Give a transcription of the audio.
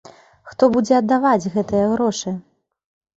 Хто будзе аддаваць гэтыя грошы?